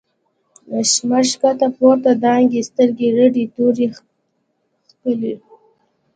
” شمر” ښکته پورته دانگی، سترگی رډی توره کښلی